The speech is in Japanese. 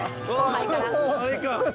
あれか！